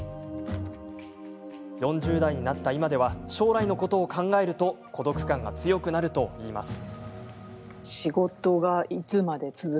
４０代になった今では将来のことを考えると孤独感が強くなるといいます。